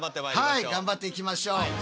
はい頑張っていきましょう。